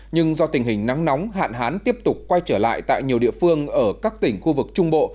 nhưng do tình hình nắng nóng hạn hán tiếp tục quay trở lại tại nhiều địa phương ở các tỉnh khu vực trung bộ